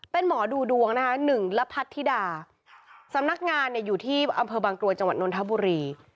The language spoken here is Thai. เป็นหมอดูดวงนะคะหนึ่งละพัทธิดาสำนักงานเนี่ยอยู่ที่อำเภอบางกรวยจังหวัดนนทบุรี